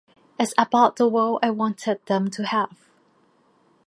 It's about the world I wanted them to have.